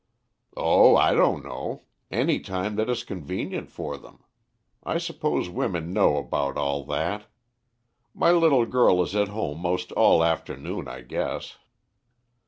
"Oh, I don't know. Any time that is convenient for them. I suppose women know all about that. My little girl is at home most all afternoon, I guess."